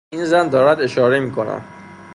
این زن دارد اشاره می کند.